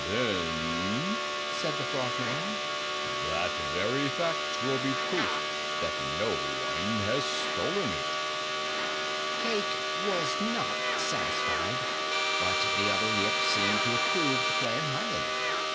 "Then," said the Frogman, "that very fact will be proof that no one has stolen it." Cayke was not satisfied, but the other Yips seemed to approve the plan highly.